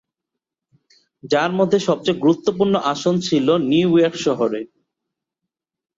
যার মধ্যে সবচেয়ে গুরুত্বপূর্ণ আসন ছিল নিউ ইয়র্ক শহরে।